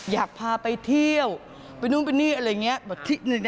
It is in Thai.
อยากพาไปเที่ยวไปนู่นไปนี่อะไรอย่างนี้